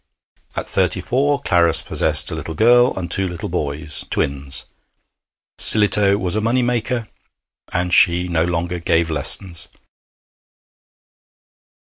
At thirty four Clarice possessed a little girl and two little boys, twins. Sillitoe was a money maker, and she no longer gave lessons.